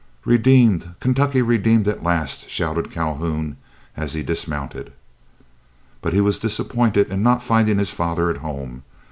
"Redeemed! Kentucky redeemed at last!" shouted Calhoun, as he dismounted. But he was disappointed in not finding his father at home.